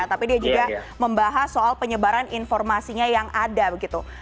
tapi dia juga membahas soal penyebaran informasinya yang ada begitu